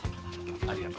ありがと。